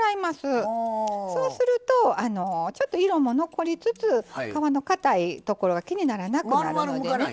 そうするとちょっと色も残りつつ皮のかたいところが気にならなくなるのでね。